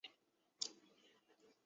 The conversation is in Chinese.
莱索蒂厄。